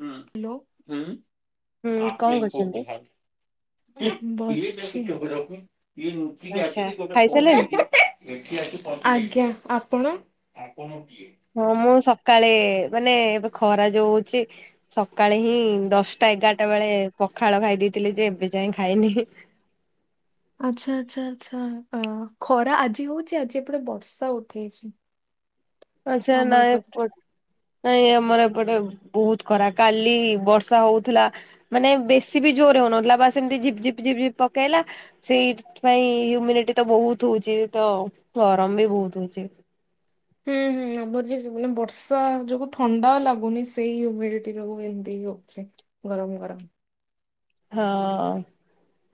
ହୁଁ ହ୍ୟାଲୋ ଉଁ ହୁଁ କଣ କରୁଛନ୍ତି? [unintelligible] ବଶ୍ଚି। ଆଚ୍ଛା ଖାଇସାରିଲେଣି? ଆଜ୍ଞା ଆପଣ? ହଁ ମୁଁ ସକାଳେ ମାନେ ଏବେ ଖରା ଯୋଉ ହଉଚି। ସକାଳେ ହିଁ ଦଶଟା ଏଗାଟା ବେଳେ ପଖାଳ ଖାଇ ଦେଇଥିଲି ଯେ ଏବେ ଯାଏ ଖାଇନି। ଆଚ୍ଛା ଆଚ୍ଛା ଆଚ୍ଛା ଅ ଖରା ଆଜି ହଉଚି ଆଜି ଏପଟେ ବର୍ଷା ଉଠେଇଚି। ଆଛା ନା ଏପଟେ ନାଇଁ ଆମର ଏପଟେ ବହୁତ ଖରା କାଲି ବର୍ଷା ହୋଉଥିଲା। ମାନେ ବେଶୀ ବି ଜୋରେ ହଉନଥିଲା ବାସ୍ ଏମିତି ଝିପ୍ ଝିପ୍ ପକେଇଲା ସେଇଥି ପାଇଁ ଇମ୍ୟୁନିଟି ତ ବହୁତ ହୋଉଚି ତ ଗରମ ବି ବୋହୁତ ହୋଉଚି। ହୁଁ ହୁଁ ଆମର ଯେ ସେ ଦିନ ବର୍ଷା ଯୋଗୁ ଥଣ୍ଡା ଲାଗୁନି ସେଇ ଇମ୍ୟୁଡିଟି ରୁ ଏମିତି ହଉଚି। ଗରମ ଗରମ। ହଁ।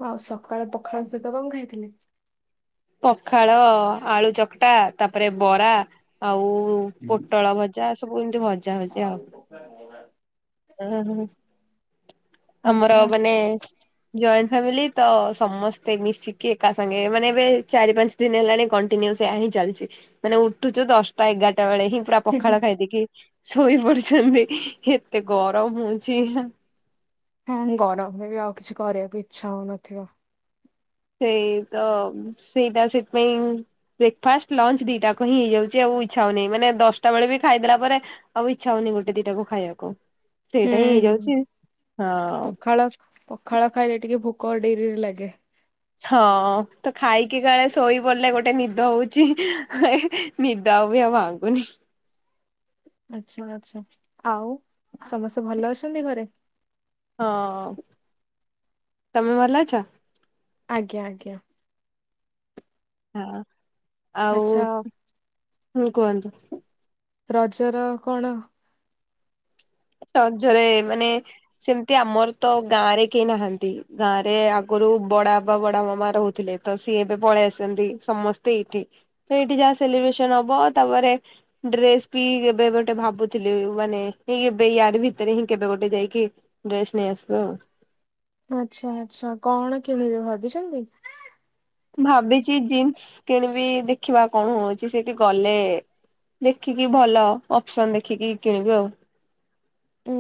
ଆଉ ସକାଳେ ପଖାଳ ସହିତ କଁ ଖାଇଥିଲେ? ପଖାଳ ଆଳୁ ଚକଟା ତାପରେ ବରା ଆଉ ପୋଟଳ ଭ ଯା ସବୁ ଏମିତି ଭଜା ଭଜି ଆଉ। [unintelligible] ଉଁ ହୁଁ ଆଚ୍ଛା ଆମର ଆଚ୍ଛା। ମାନେ ଜଏଣ୍ଟ ଫ୍ୟାମିଲି ତ ସମସ୍ତେ ମିଶିକି ଏକାସାଙ୍ଗେ ମାନେ ଏବେ ଚାରି ପାଞ୍ଚ ଦିନ ହେଲାଣି କଣ୍ଟିନିଉ ସେୟା ହିଁ ଚାଲିଛି ମାନେ ଉଠୁଚୁ ଦଶଟା ଏଗାରଟା ବେଳେ ହିଁ ପୁରା ପଖାଳ ଖାଇଦେଇକି ଶୋଇ ପଡୁଛନ୍ତି ଏତେ ଗରମ ହୋଉଚି। ହଁ ଗରମରେ ବି ଆଉ କିଛି କରିବାକୁ ଇଚ୍ଛା ହଉନଥିବ। ସେଇ ତ, ସେଇଟା ସେଥି ପାଇଁ ବ୍ରେକ୍ ଫାଷ୍ଟ ଲଞ୍ଚ ଦିଟାକୁ ହିଁ ହେଇଯାଉଛି ଆଉ ଇଚ୍ଛା ହୋଉନି ମାନେ ଦଶଟା ବେଳେ ବି ଖାଇଦେଲା ପରେ ଆଉ ଇଚ୍ଛା ହଉନି ଗୋଟେ ଦିଟାକୁ ଖାଇବାକୁ, ସେଇଟା ହିଁ ହେଇଯାଉଛି ହଁ। ଖାଳ ପଖାଳ ଖାଇଲେ ଟିକେ ଭୋକ ଡେରିରେ ଲାଗେ। ହଁ ତ ଖାଇକି କାଳେ ଶୋଇ ପଡିଲେ ଗୋଟେ ନିଦ ହୋଉଛି, ହେ ନିଦା ଆଉ ବି ଆଉ ଭାଙ୍ଗୁନି। ଆଛା ଆଛା, ଆଉ ସମସ୍ତେ ଭଲ ଅଛନ୍ତି ଘରେ? ହଁ ତମେ ଭଲ ଅଛ? ଆଜ୍ଞା ଆଜ୍ଞା। ହଁ ଆଉ, ଆଚ୍ଛା ହଁ କୁହନ୍ତୁ। ରଜର କଣ ରଜରେ ମାନେ ସେମିତି ଆମର ତ ଗାଁ ରେ କେହି ନାହାନ୍ତି, ଗାଁରେ ଆଗୁରୁ ବଡ ବାବା ବଡ ମାମା ରହୁଥିଲେ। ତ ସିଏ ଏବେ ପଳେଇ ଆସଛନ୍ତି, ସମସ୍ତେ ଏଇଠି ତ ଏଇଠି ଯାହା ସେଲିବ୍ରେସନ ହବ ତାପରେ ଡ୍ରେସ୍ ବି କେବେ ଗୋଟେ ଭାବୁଥିଲି ମାନେ ଏଇ ଏବେ ୟାର ଭିତରେ ହିଁ କେବେ ଗୋଟେ ଯାଇକି ଡ୍ରେସ ନେଇ ଆସିବା ଆଉ। ଆଚ୍ଛା ଆଚ୍ଛା କଣ କିଣିବେ ଭାବିଛନ୍ତି? ଭାବିଛି ଜିନ୍ସ କିଣିବି, ଦେଖିବା କଣ ହଉଛି ସେଠି ଗଲେ ଦେଖିକି ଭଲ ଅପସନ ଦେଖିକି କିଣିବି ଆଉ।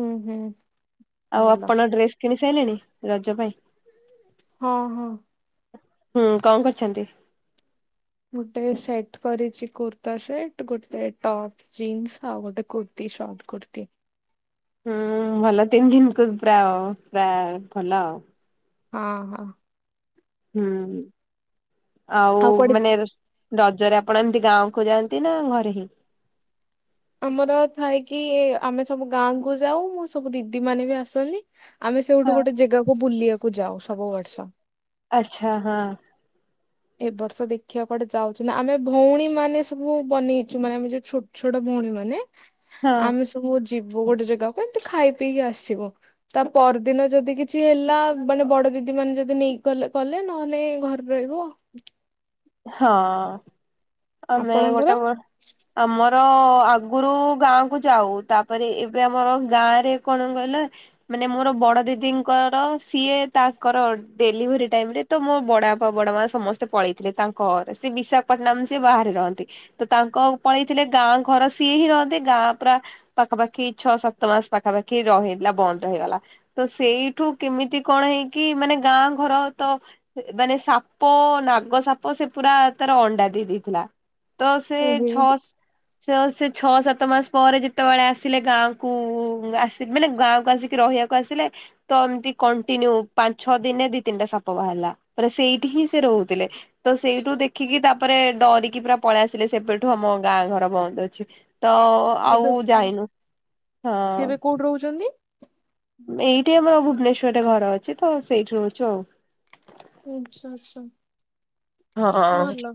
ହୁଁ ହୁଁ। ଆଉ ଭଲ ଆପଣ ଡ୍ରେସ୍ କିଣି ସାରିଲେଣି ରଜ ପାଇଁ? ହଁ ହଁ। ହୁଁ କଣ କରୁଛନ୍ତି? ଗୋଟେ ସେଟ୍ କରିଛି କୁର୍ତ୍ତା ସେଟ, ଗୋଟେ ଟପ୍। ଜୀନ୍ସ୍ ଆଉ ଗୋଟେ କୁର୍ତି, ଶର୍ଟ କୁର୍ତି। ହୁଁ ଭଲ ତିନି ଦିନକୁ, ପୁରା ଆଉ ପୁରା ଭଲ ଆଉ। ହଁ ହଁ। ହୁଁ ଆଉ ମାନେ ରଜରେ ଆପଣ ଏମିତି ଗାଁକୁୁ ଯାଆନ୍ତି ନା ଘରେ ହିଁ? ଆମର ଥାଏକି ଆମେ ସବୁ ଗାଁ କୁ ଯାଉ ମୁଁ ସବୁ ଦିଦି ମାନେ ବି ଆସନ୍ତି। ଆମେ ହଁ ସେଉଠୁ ଗୋଟେ ଜାଗାକୁ ବୁଲିବାକୁ ଯାଉ ସବୁ ବର୍ଷ। ଆଚ୍ଛା ହଁ। ଏ ବର୍ଷ ଦେଖିବା କୁଆଡେ ଯାଉଛ ନା, ଆମେ ଭଉଣୀ ମାନେ ସବୁ ବନେଇଛୁ ମାନେ ଆମେ ଯୋଉ ଛୋଟ ଛୋଟ ଭଉଣୀ ମାନେ। ହଁ ଆମେ ସବୁ ଯିବୁ ଗୋଟେ ଜାଗାକୁ ଏମିତି ଖାଇ ପିଇକି ଆସିବୁ। ତା ପରଦିନ ଯଦି କିଛି ହେଲା ମାନେ ବଡ ଦିଦି ମାନେ ଯଦି ନେଇକି କଲେ କଲେ ନହେଲେ ଘ ରହିବ। ହଁ ଆମେ ଆପଣଙ୍କର? ଗୋଟେ ବର୍ଷ ଆମର ଆଗରୁ ଗାଁ କୁ ଯାଉ, ତାପରେ ଏବେ ଆମର ଗାଁ ରେ କଣ କହିଲ ମାନେ ମୋର ବଡ ଦିଦିଙ୍କର ସିଏ ତାଙ୍କର ଡେଲିଭରି ଟାଇମ୍ ରେ ତ ମୋ ବଡ ବାପା ବଡ ମାଆ ସମସ୍ତେ ପଳେଇଥିଲେ ତାଙ୍କ ଘରେ ସେ ବିଶାଖାପାଟନାମ୍ ସେ ବାହାରେ ରହନ୍ତି। ତ ତାଙ୍କ ପଳେଇଥିଲେ, ଗାଁ ଘର ସିଏ ହିଁ ରହନ୍ତି ଗାଁ ପୁରା ପାଖାପାଖି ଛଅ ସାତ ମାସ ପାଖାପାଖି ରହିଥିଲା ବନ୍ଦ ହେଇଗଲା। ତ ସେଇଠୁ କେମିତି କଣ ହେଇକି ମାନେ ଗାଁ ଘର ତ ହେ ମାନେ ସାପ ନାଗ ସା ପ ସେ ପୁରା ତାର ଅଣ୍ଡା ଦେଇ ଦେଇଥିଲା ତ ସେ ଛଅଶ ସେ ଓ ସେ ଛଅ ସାତ ମାସ ପରେ ଯେତେବେଳେ ଆସିଲେ ଗାଁକୁ ଆସି ମାନେ ଗାଁକୁ ଆସିକି ରହିବା କୁ ଆସିଲେ, ତ ଏମିତି କଣ୍ଟିନ୍ୟୁ ପାଞ୍ଚ ଛଅ ଦିନେ ଦି ତିନିଟା ସାପ ବାହାରିଲା। ତାର ସେଇଠି ହିଁ ସେ ରହୁଥିଲେ। ତ ସେଇଠୁ ଦେଖିକି ତାପରେ ଡରିକି ପୁରା ପଳେଇ ଆସିଲେ ସେବେଠୁ ଆମ ଗାଁ ଘର ବନ୍ଦ ଅଛି। ତ ଆଉ ଏବେ ସେ ଯାଇନୁ ହଁ। ଏବେ କୋଉଠି ରହୁଛନ୍ତି? ଏଇଠି ଆମର ଭୁବନେଶ୍ଵରରେ ଘର ଅଛି ତ ସେଇଠି ରହୁଛୁ ଆଉ। ଆଚ୍ଛା, ଆଚ୍ଛା। ହଁ। ଭଲ।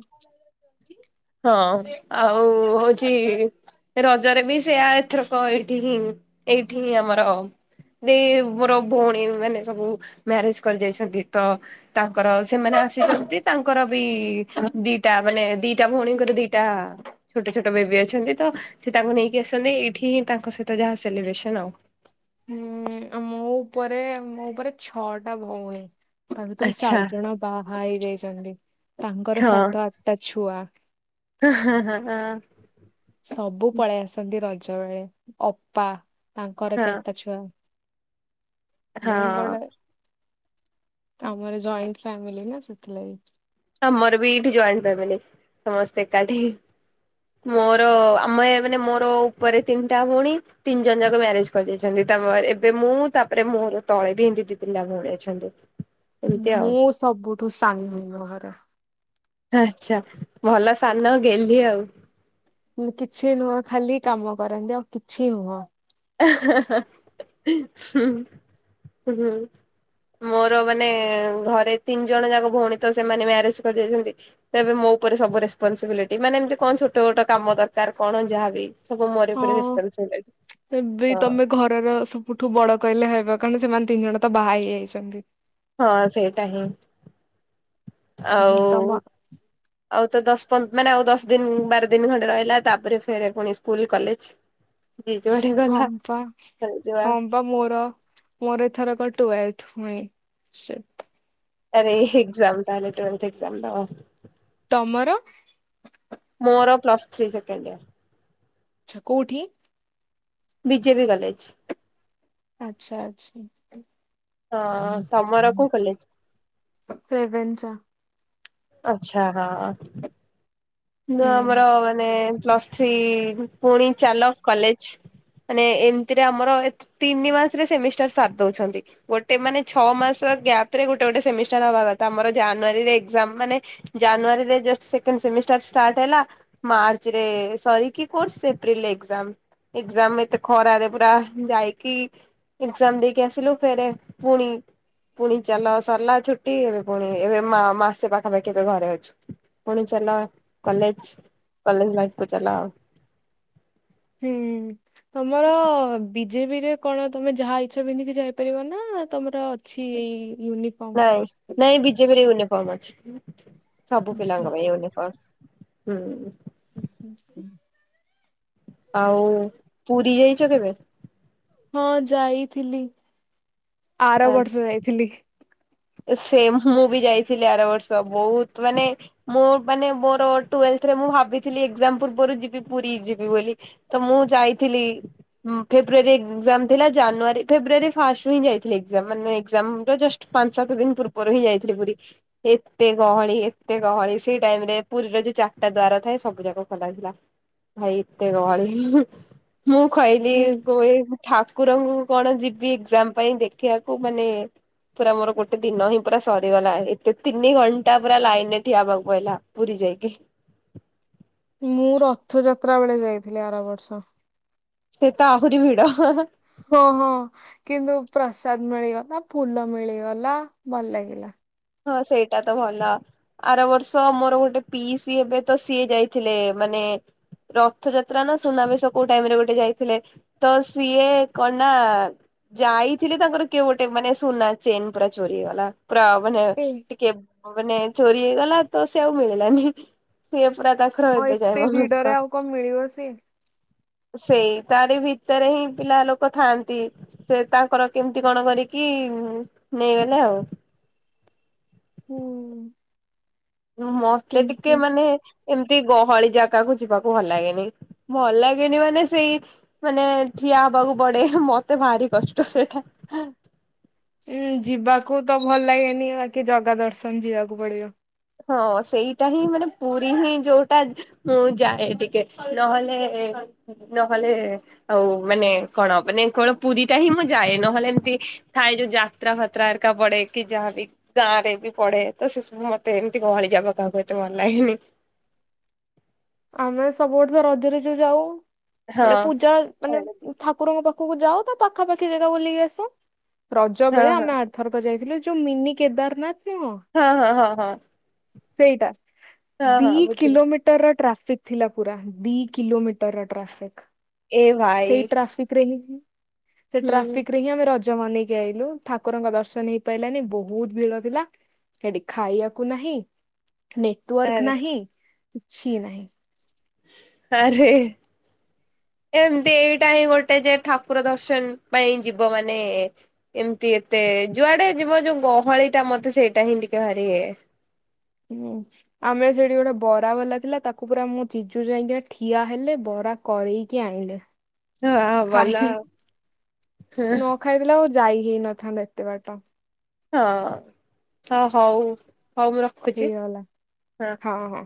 ହଁ ଆଉ ହଉଛି ଏ ରଜରେ ବି ସେୟା ଏଥରକ ଏଇଠି ହିଁ, ଏଇଠି ହିଁ ଆମର ଦେଇ ମୋର ଭଉଣୀ ମାନେ ସବୁ ମ୍ୟାରେଜ୍ କରି ଯାଇଛନ୍ତି, ତ ତାଙ୍କର ସେମାନେ ଆସିଛନ୍ତି ତାଙ୍କର ବି [unintelligible] ଦିଇଟା ମାନେ ଦି ଟା ଭଉଣୀଙ୍କର ଦିଇଟା ଛୋଟ ଛୋଟ ବେବି ଅଛନ୍ତି ତ ସେ ତାଙ୍କୁ ନେଇକି ଆସନ୍ତି ଏଇଠି ହିଁ ତାଙ୍କ ସହିତ ଯାହା ସେଲିବ୍ରେସନ୍ ଆଉ। ହୁଁ, ଆଉ ମୋ ଉପରେ ମୋ ଉପରେ ଛଅଟା ଭଉଣୀ। ତା ଭିତରୁ ଆଚ୍ଛା ଚାରି ଜଣ ବାହା ହେଇଯାଇଛନ୍ତି, ତାଙ୍କର ସାତ ଆଟା ଛୁଆ। ହଁ, ହଁ, ହଁ। ସବୁ ପଳେଇ ଆସନ୍ତି ରଜ ବେଳେ, ଅପା ତାଙ୍କର ହଁ ଚାଟା ଛୁଆ। ବେ କୋଡେ ଆମର ଜଏଣ୍ଟ ଫାମିଲି ନା ସେଥିଲାଗି। ଆମର ବି ଏଇଠି ଜଏଣ୍ଟ ଫ୍ୟାମିଲି ସମସ୍ତେ ଏକାଠି। ମୋର ଆମେ ମାନେ ମୋର ଉପରେ ତିନଟା ଭଉଣୀ। ତିନି ଜଣ ଯାକ ମ୍ୟାରେଜ୍ କରିଯାଇଛନ୍ତି। ତୋମର ଏବେ ମୁଁ ତାପରେ ମୋର ତଳେ ବି ଏମିତି ଦି ତିିନିଟା ଭଉଣୀ ଅଛନ୍ତି [unintelligible] ମୁଁ ସବୁଠୁ ସାନ ଘରେ। ଆଚ୍ଛା, ଭଲ ସାନ ଗେହ୍ଲି ଆଉ। ଉଁ, କିଛି ନୁହଁ ଖାଲି କାମ କରନ୍ତି ଆଉ କିଛି ନୁହଁ। ହୁଁ, ହୁଁ। ମୋର ମାନେ ଘରେ ତିନି ଜଣ ଯାକ ଭଉଣୀ ତ ସେମାନେ ମ୍ୟାରେଜ୍ କରିଯାଇଛନ୍ତି। ଏବେ ମୋ ଉପରେ ସବୁ ରେସପନ୍ସବିଲିଟି ମାନେ ଏମିତି କଣ ଛୋଟ ମୋଟ କାମ ଦରକାର କଣ ଯାହାବି। ସବୁ ମୋରି ଉପରେ ହଁ ରେସପନ୍ସବିଲିଟି। ଏବେ ତୋମେ ଘରର ସବୁଠୁ ବଡ କହିଲେ ହେବ କାରଣ ସେମାନେ ତିନି ଜଣ ତ ବାହା ହେଇଯାଇଛନ୍ତି। ହଁ ସେଇଟା ହିଁ ହୁଁ, ତମ ଆଉ ଆଉ ତ ଦଶ ପନ୍ଦ ମାନେ ଆଉ ଦଶ ଦିନ ଉଁ, ବାର ଦିନ ଖଣ୍ଡେ ରହିଲା ତାପରେ ଫେରେ ପୁଣି ସ୍କୁଲ୍ କଲେଜ୍। ଯିଏ ଯୁଆଡେ ହଁ ଗଲା ବା ହଁ [unintelligible] ବା ମୋର ମୋର ଏଥରକ ଟୁଏଲଥ୍ ମୁଇଁ ସେ ଆରେ ଏକ୍ଜାମ୍ ତାହେଲେ ଟୁଏଲଥ୍ ଏକ୍ଜାମ୍ ଦବ। ତୋମର? ମୋର ପ୍ଲସ୍ ଥ୍ରୀ ସେକେଣ୍ଡିୟର୍। ଆଚ୍ଛା କୋଉଠି? BJP college. ଆଚ୍ଛା, ଆଚ୍ଛା। ହଁ ତମର କୋଉ କଲେଜ? ରେଭେନ୍ସା। ଆଚ୍ଛା ହ। ନୁଆ ହୁଁ ଆମର ମାନେ ପ୍ଲସ୍ ଥ୍ରୀ ପୁଣି ଚାଲ କଲେଜ୍। ମାନେ ଏମିତିରେ ଆମର ଏତ୍- ତିନି ମାସରେ ସେମିଷ୍ଟାର୍ ଦଉଛନ୍ତି। ଗୋଟେ ମାନେ ଛଅ ମାସ ଗ୍ୟାପ୍ ରେ ଗୋଟେ ଗୋଟେ ସେମିଷ୍ଟାର୍ ହବା କଥା ଆମର ଜାନୁଆରୀରେ ଏକ୍ଜାମ୍ ମାନେ ଜାନୁଆରୀରେ ଜଷ୍ଟ୍ ସେକେଣ୍ଡ୍ ସେମିଷ୍ଟାର୍ ଷ୍ଟାଟ୍ ହେଲା ମାର୍ଚ୍ଚରେ ସରିକି କୋର୍ସ ଏପ୍ରିଲ୍ ରେ ଏକ୍ଜାମ୍। ଏକ୍ଜାମ୍ ଏତେ ଖରାରେ ପୁରା ଯାଇକି ଏକ୍ଜାମ୍ ଦେଇକି ଆସିଲୁ ଫେରେ ପୁଣି ପୁଣି ଚାଲ ସରିଲା ଛୁଟି ଏବେ ପୁଣି ଏବେ ମା-ମାସେ ପାଖାପାଖି ଏବେ ଘରେ ଅଛୁ। ପୁଣି ଚାଲ କଲେଜ୍-କଲେଜ୍ ଲାଇଫ୍ କୁ ଚାଲ ଆଉ। ହୁଁ। ତମର ବିଜେପି ରେ କଣ ତମେ ଯାହା ଇଚ୍ଛା ପିନ୍ଧିକି ଯାଇପାରିବ ନା ତମର ଅଛି ୟୁନିଫର୍ମ? ନାଇଁ -ନାଇଁ ବିଜେପିରେ ୟୁନିଫର୍ମ ଅଛି ସବୁ ଅଛି? ପିଲାଙ୍କ ପାଇଁ ୟୁନିଫର୍ମ। ହୁଁ। [inaudible] ଆଉ ପୁରୀ ଯାଇଚ କେବେ? ହଁ ଯାଇଥିଲି ଆର ବର୍ଷ ଯାଇଥିଲି। ସେମ୍ ମୁଁ ବି ଯାଇଥିଲି ଆର ବର୍ଷ ବହୁତ୍ ମାନେ ମୁଁ ମାନେ ମୋର ଟ୍ୱେଲ୍ଥ୍ ରେ ମୁଁ ଭାବିଥିଲି ଏକ୍ଜାମ୍ ପୂର୍ବରୁ ଯିବି ପୁରୀ ଯିବି ବୋଲି। ତ ମୁଁ ଯାଇଥିଲି। ହଁ ଫେବୃୟାରୀ ଏକ୍ଜାମ୍ ଥିଲା ଜାନୁଆରୀ- ଫେବୃୟାରୀ ଫାଷ୍ଟ ହିଁ ଯାଇଥିଲି ଏକ୍ଜାମ୍ ମାନେ ଏକ୍ଜାମ୍ ରେ ଜଷ୍ଟ୍ ପାଞ୍ଚ୍ ସାତ ଦିନ ପୂର୍ବରୁ ହିଁ ଯାଇଥିଲି ପୁରୀ। ଏତେ ଗହଳି ଏତେ ଗହଳି ସେଇ ଟାଇମ୍ ରେ ପୁରୀର ଯଉ ଚାରିଟା ଦ୍ଵାର ଥାଏ ସବୁ ଯାକ ଖୋଲାଥିଲା। ଭାଇ ଏତେ ଗହଳି ମୁଁ ହୁଁ [unintelligible] ଠାକୁରଙ୍କୁ କଣ ଯିବି ଏକ୍ଜାମ୍ ପାଇଁ ଦେଖିବାକୁ ମାନେ ପୁରା ମୋର ଗୋଟ୍ ଗୋଟେ ଦିନ ହିଁ ପୁରା ସରିଗଲା ଏତେ ତିନି ଘଣ୍ଟା ପୁରା ଲାଇନ୍ ରେ ଠିଆ ହବାକୁ ପଇଲା ପୁରୀ ଯାଇକି। ମୁଁ ରଥ ଯାତ୍ରା ବେଳେ ଯାଇଥିଲି ଆର ବର୍ଷ। ସେ ତ ଆହୁରି ଭିଡ‌ ହେଁ- ହେଁ। ହଁ- ହଁ କିନ୍ତୁ ପ୍ରସାଦ୍ ମିଳିଗଲା ଫୁଲ ମିଳିଗଲା ଭଲ ଲାଗିଲା। ହଁ ସେଇଟା ତ ଭଲ। ଆର ବର୍ଷ ମୋର ଗୋଟେ ପିଇସି ଏବେ ତ ସିଏ ଯାଇଥିଲେ ମାନେ ରଥଯାତ୍ରା ନା ସୁନାବେଶ କଉ ଟାଇମ୍ ରେ ଗୋଟେ ଯାଇଥିଲେ। ତ ସିଏ କଣ୍ ନା ଯାଇଥିଲି ତାଙ୍କର କିଏ ଗୋଟେ ମାନେ ସୁନା ଚେନ୍ ପୁରା ଚୋରି ହେଇଗଲା ପୁରା ମାନେ ଏ ଟିକେ ମାନେ ଚୋରି ହେଇଗଲା ତ ସେ ଆଉ ମିଳିଲାନି ସିଏ ପୁରା ତାଙ୍କ ତାଙ୍କର ହଁ ଏବେ ଯାଏ ଏତେ ମନ ଭିଡରେ ଦୁଃଖ ଆଉ କଣ ମିଳିବ ସେ। ସେଇ ତାରି ଭିତରେ ହିଁ ପିଲା ଲୋକ ଥାଆନ୍ତି। ସେ ତାଙ୍କର କେମିତି କଣ କରିକି ନେଇଗଲେ ଆଉ। ହୁଁ ମତେ ଟିକେ କେମିତି? ମାନେ ଏମତି ଗହଳି ଜାଗାକୁ ଯିବାକୁ ଭଲ ଲାଗେନି- ଭଲ ଲାଗେନି ମାନେ ସେଇ ମାନେ ଠିଆ ହବାକୁ ପଡେ ମତେ ଭାରି କଷ୍ଟ ସେଟା। ଉୁଁ ଯିବାକୁ ତ ଭଲ ଲାଗେନି ବାକି ଜଗା ଦର୍ଶନ ଯିବାକୁ ପଡିବ। ହଁ ସେଇଟା ହିଁ ମାନେ ପୁରୀ ହିଁ ଯଉଟା ମୁଁ ଯାଏ ଟିକେ ନହେଲେ -ନହେଲେ ଆଉ ମାନେ କଣ ମାନେ କଣ ପୁରୀ ଟା ହିଁ ମୁଁ ଯାଏ, ନହେଲେ ଏମ୍ତି ଥାଏ ଯୋଉ ଯାତ୍ରା ଫାତ୍ରା ଏରିକା ପଡେ କି ଯାହାବି ଗାଁରେ ବି ପଡେ ତ ସେସବୁ ମ ତେ ଏମ୍ତି ଗହଳି ଯାକ କାହାକୁ ଏତେ ଭଲ୍ ଲାଗେନି। ଆମେ ସବୁ ବର୍ଷ ରଜରେ ଯୋଉ ଯାଉ, ହଁ ଗଟେ ପୂଜା ହଁ ମାନେ ହଁ ଠାକୁରଙ୍କ ପାଖକୁ ଯାଉ ତା ପାଖାପାଖି ଜାଗା ବୁଲକି ଆସୁ, ରଜ ବେଳେ ହଁ ଆମେ ଆ ଥରକ ଯାଇଥିଲୁ ଯୋଉ ମିନି କେଦାରନାଥ ନୁହଁ? ହଁ-ହଁ-ହଁ-ହଁ। ସେଇଟା ଦି ବୁଝିଲି କିଲୋମିଟର୍ ର ଟ୍ରାଫିକ୍ ଥିଲା ପୁରା, ଦି କିଲୋମିଟର୍ ର ଟ୍ରାଫିକ୍। ଏ ଭାଇ ସେଇ ଟ୍ରାଫିକ୍ ରେ ହିଁ ସେ ହୁଁ ଟ୍ରାଫିକ୍ ରେ ହିଁ ଆମେ ରଜ ମନେଇକି ଆଇଲୁ, ଠାକୁରଙ୍କ ଦର୍ଶନ ହେଇପାରିଲାନି ବହୁତ୍ ଭିଡ ଥିଲା। ସେଠି ଖାଇବାକୁ ନାହିଁ ନେଟୱାର୍କ ଆରେ ନାହିଁ କିଛି ନାହିଁ। ଆରେ ଏମ୍ତି ଏଇଟା ହିଁ ଗୋଟେ ଯେ ଠାକୁର ଦର୍ଶନ ପାଇଁ ଯିବ ମାନେ ଏମ୍ତି ଏତେ ଯୁଆଡେ ଯିବ ଯୋଉ ଗହଳିଟା ମତେ ସେଇଟା ହିଁ ଟିକେ ଭାରି ଇଏ। ହୁଁ। ଆମେ ସେଠି ଗୋଟେ ବରା ବାଲା ଥିଲା, ତାକୁ ପୁରା ମୋ ଜିଜୁ ଯାଇଁକିନା ଠିଆ ହେଲେ ବରା କରେଇକି ଆଇଁଲେ। ହଁ ଭଲ ଆଉ [unintelligible] ନ ଖାଇଥିଲେ ଆଉ ଯାଇ ହେଇନଥାନ୍ତା ଏତେ ବାଟ। ହଁ ହ ହଉ ହଉ ମୁଁ ରଖୁଚି। ହେଇଗଲା ହଁ ହଁ।